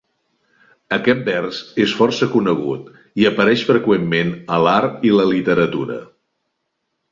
Aquest vers és força conegut, i apareix freqüentment a l'art i la literatura.